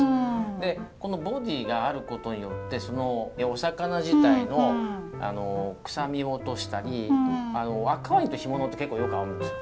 でこのボディーがあることによってそのお魚自体の臭みを落としたり赤ワインと干物って結構よく合うんですよ。